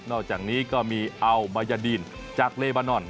อกจากนี้ก็มีอัลมายาดีนจากเลบานอน